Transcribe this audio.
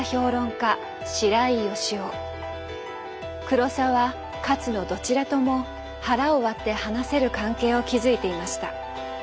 黒澤勝のどちらとも腹を割って話せる関係を築いていました。